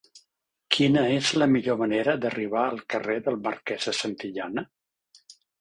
Quina és la millor manera d'arribar al carrer del Marquès de Santillana?